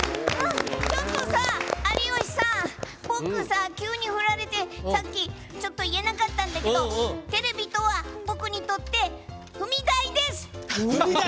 ちょっとさ有吉さん、僕、急に振られてさっき、ちょっと言えなかったんだけどテレビとは僕にとって踏み台です！